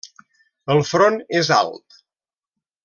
El front és alt.